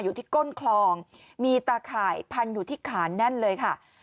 อยู่ที่ก้นคลองมีตาข่ายพันอยู่ที่ขาแน่นเลยค่ะ